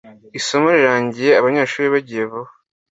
isomo rirangiye, abanyeshuri bagiye vuba.